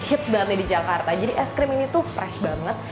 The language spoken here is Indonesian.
hits banget nih di jakarta jadi es krim ini tuh fresh banget